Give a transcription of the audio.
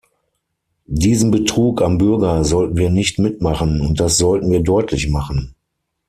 Diesen Betrug am Bürger sollten wir nicht mitmachen, und das sollten wir deutlich machen.